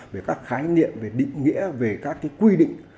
về các khái niệm định nghĩa quy định